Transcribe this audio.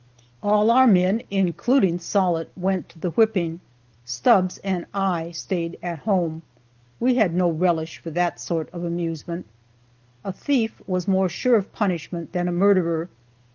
All our men, including Sollitt, went to the whipping. Stubbs and I stayed at home. We had no relish for that sort of amusement. A thief was more sure of punishment than a murderer.